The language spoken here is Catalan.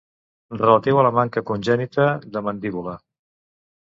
Relatiu a la manca congènita de mandíbula.